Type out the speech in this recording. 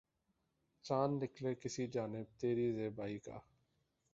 چاند نکلے کسی جانب تری زیبائی کا